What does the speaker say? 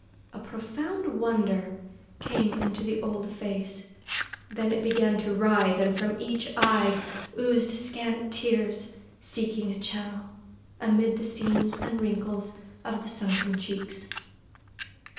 A profound wonder came into the old face then it began to writhe, and from each eye oozed scant tears, seeking a channel amid the seams and wrinkles of the sunken cheeks.